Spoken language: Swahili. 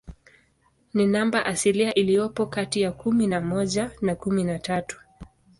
Ni namba asilia iliyopo kati ya kumi na moja na kumi na tatu.